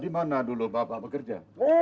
dimana dulu bapak bekerja